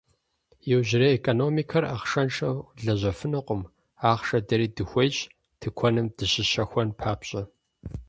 Иужьрей экономикэр ахъшэншэу лэжьэфынукъым, ахъшэ дэри дыхуейщ, тыкуэным дыщыщэхуэн папщӏэ.